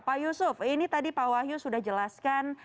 pak yusuf ini tadi pak wahyu sudah jelaskan